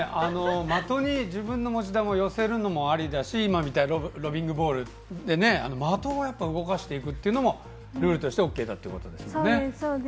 的に自分の持ち球を寄せるのもありだしロビングボールで的を動かすこともルールとしてＯＫだということですね。